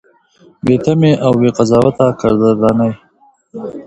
بې تمې او بې قضاوته قدرداني: